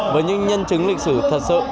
với những nhân chứng lịch sử thật sự